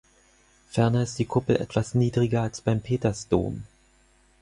Ferner ist die Kuppel etwas niedriger als beim Petersdom.